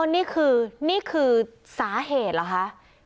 อ๋อนี่คือสาเหตุเหรอคะ